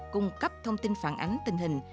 cung cấp thông tin phản ánh tình hình